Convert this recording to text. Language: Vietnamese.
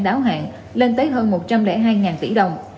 đáo hạn lên tới hơn một trăm linh hai tỷ đồng